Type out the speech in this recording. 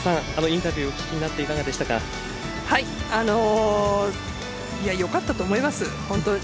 インタビューお聞きになっていかがでしたよかったと思います。